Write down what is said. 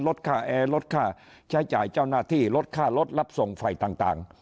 ลดค่าแอร์ลดค่าใช้จ่ายเจ้าหน้าที่ลดค่ารถรับส่งไฟต่าง